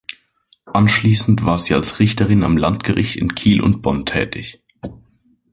Anschließend war sie als Richterin am Landgericht in Kiel und Bonn tätig.